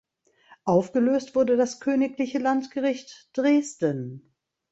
Aufgelöst wurde das Königliche Landgericht Dresden.